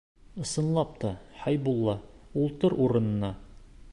Ысынлап та, Хәйбулла, ултыр урыныңа.